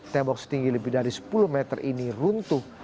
tembok setinggi lebih dari sepuluh meter ini runtuh